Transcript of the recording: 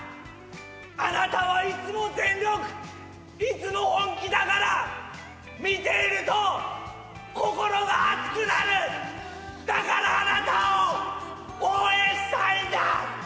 あなたはいつも全力いつも本気だから見ていると心が熱くなる、だからあなたを応援したいんだ！